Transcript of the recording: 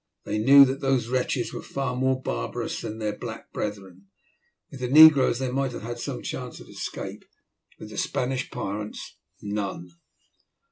They knew that those wretches were far more barbarous than their black brethren. With the negroes they might have had some chance of escape, with the Spanish pirates none.